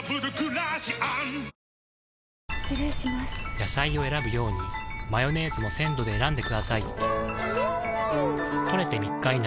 野菜を選ぶようにマヨネーズも鮮度で選んでくださいん！